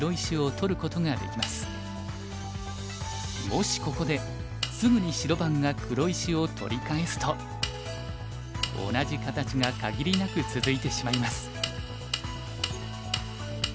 もしここですぐに白番が黒石を取り返すと同じ形が限りなく続いてしまいます。